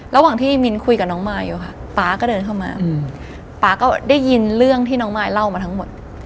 ระหว่างที่มินคุยกับน้องมายอยู่ค่ะป๊าก็เดินเข้ามาป๊าก็ได้ยินเรื่องที่น้องมายเล่ามาทั้งหมด